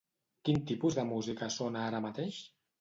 Quin tipus de música sona ara mateix?